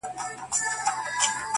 یار به ملا تړلی حوصلې د دل دل واغوندم